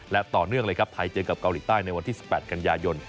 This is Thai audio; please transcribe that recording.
และต่อเนื่องเลยครับไทยเจอกับเกาหลีใต้ในวันที่๑๘กันยายน